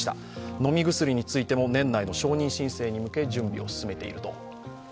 飲み薬についても年内の承認申請の準備を進めていると。